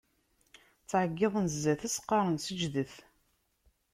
Ttɛeggiḍen zdat-s, qqaren: Seǧǧdet!